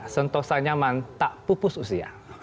sentosa nyaman tak pupus usia